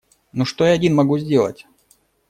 Ну, что я один могу сделать?